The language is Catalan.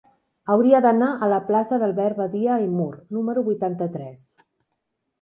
Hauria d'anar a la plaça d'Albert Badia i Mur número vuitanta-tres.